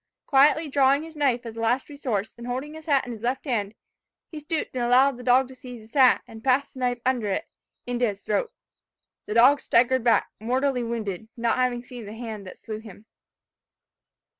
Quietly drawing his knife, as a last resource, and holding his hat in his left hand, he stooped, and allowing the dog to seize his hat, passed his knife underneath it, into his throat. The dog staggered back, mortally wounded, not having seen the hand that slew him."